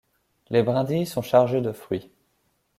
Les brindilles sont chargées de fruits.